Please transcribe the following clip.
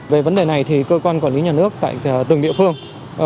về vấn đề này thì cơ quan quản lý nhà nước tại từng địa phương